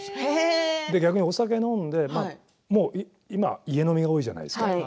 逆にお酒を飲んで家飲みが今多いじゃないですか。